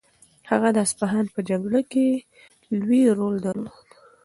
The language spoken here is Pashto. هغه د اصفهان په جګړه کې لوی رول درلود.